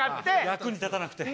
役に立たなくて。